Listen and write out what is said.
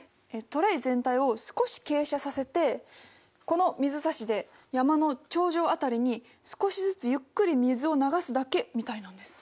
トレー全体を少し傾斜させてこの水差しで山の頂上辺りに少しずつゆっくり水を流すだけみたいなんです。